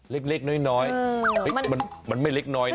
เล็กน้อยมันไม่เล็กน้อยนะ